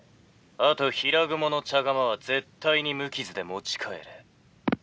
「あと平蜘蛛の茶釜は絶対に無傷で持ち帰れ」。